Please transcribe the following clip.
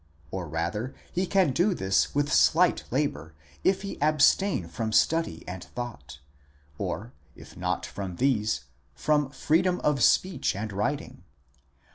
Or rather he can do this with slight labour, if he abstain from study and thought, or, if not from these, from freedom of speech and writing.